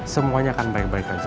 semuanya akan baik baik saja